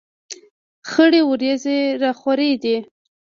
خړې ورېځې را خورې دي.